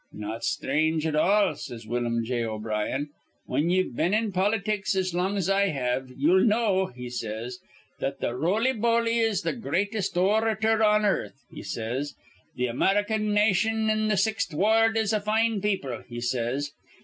'Not sthrange at all,' says Willum J. O'Brien. 'Whin ye've been in politics as long as I have, ye'll know,' he says, 'that th' roly boly is th' gr reatest or rator on earth,' he says. 'Th' American nation in th' Sixth Ward is a fine people,' he says.